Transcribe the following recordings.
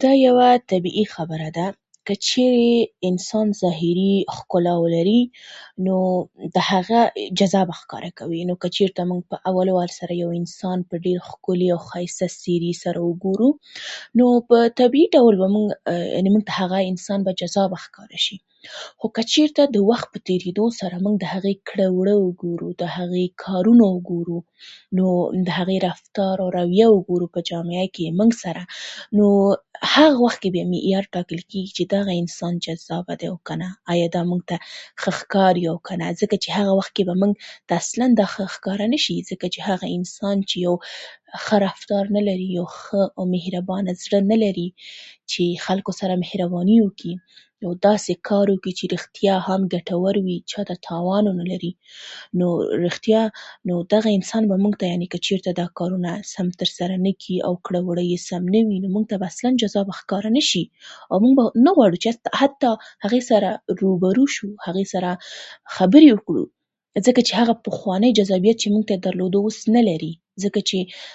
دا یوه طبیعي خبره ده. که چېرې انسان ظاهري ښکلا ولري، نو د هغه جذابه ښکاره کوي. که چېرې موږ په اول ځل سره یو انسان ډېر ښکلي او ښایسته څېرې سره وګورو، نو په طبیعي ډول به موږ، یعنې موږ به هغه انسان جذابه ښکاره شي. خو که چېرته د وخت په تېرېدو سره موږ د هغه کړه وړه وګورو، د هغه کارونه وګورو، د هغې رفتار او رویه وګورو په جامعه کې موږ سره، نو هغه وخت کې بیا معیار ټاکل کېږي چې دغه انسان جذابه دی او که نه. ایا دا موږ ته ښه ښکاري او که نه؟ ځکه په هغه وخت کې به موږ ته اصلاً دا ښه ښکاره نه شي، ځکه چې هغه انسان چې یو ښه رفتار نه لري، یو ښه او مهربانه زړه نه لري چې خلکو سره مهرباني وکړي، نو داسې کار وکړي چې ریښتیا هم ګټور او چاته تاوان ونه لري. نو ریښتیا نو دغه انسان به موږ ته، یعنې که چېرې دغه کارونه سم ترسره کړي نه کړي او کړه وړه یې سم نه وي، موږ ته به اصلاً جذابه ښکاره نه شي، او موږ به ونه غواړو چې حتی هغې سره روبرو شو، هغې سره خبرې وکړو. ځکه چې هغه پخوانۍ [unintelligible] چې موږ ته یې لرلو، اوس یې نه لري.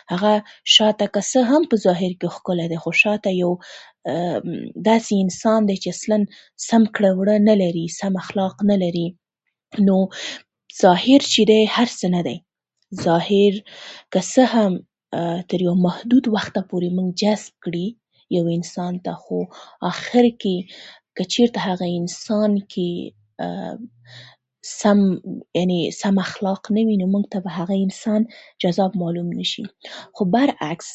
هغه شاته که څه هم په ظاهر کې ښکلی وي، خو شاته یو داسې انسان دی چې اصلاً سم کړه وړه نه لري، سم اخلاق نه لري. نو ظاهر چې دی، هر څه نه دی. ظاهر که څه هم تر یو محدود وخته پورې موږ جذب کړي یو انسان ته، خو اخر کې که چېرته هغه انسان کې سم، یعنې سم اخلاق نه وي، نو موږ ته به هغه انسان جذاب معلوم نه شي. خو برعکس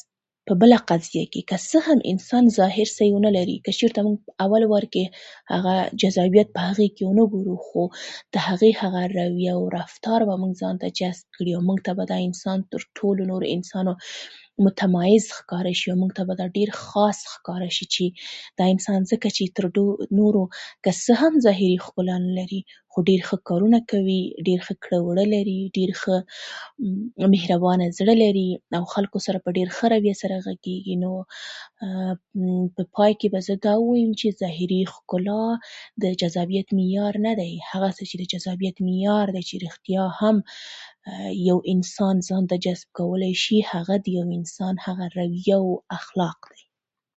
په بله قضیه کې، که څه هم انسان ظاهر صحیح ونه لري، که چېرته موږ اول وار کې هغه جذابیت هغې کې ونه ګورو، خو د هغې هغه رویه او رفتار به موږ ځان ته راجذب کړي، او موږ ته به دا انسان تر ټولو نورو انسانانو متمایز ښکاره شي، او موږ ته به دا ډېر خاص ښکاره شي. ځکه چې دا انسان تر نورو که څه هم ظاهري ښکلا نه لري، خو ډېر ښه کارونه کوي، ډېر ښه کړه وړه لري، ډېر ښه مهربانه زړه لري، او د خلکو سره په ډېر ښه رویه سره غږېږي. نو په پای کې به زه دا ووایم چې ظاهري ښکلا د جذابیت معیار نه دی. هغه څه چې د جذابیت معیار دی، چې ریښتیا هم یو انسان ځان ته جذب کړلای شي، هغه د یو انسان هغه رویه او اخلاق دي.